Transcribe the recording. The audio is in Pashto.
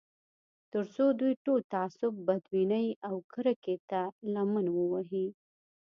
تر څو دوی ټول تعصب، بدبینۍ او کرکې ته لمن ووهي